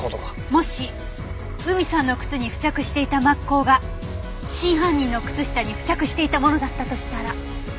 もし海さんの靴に付着していた抹香が真犯人の靴下に付着していたものだったとしたら。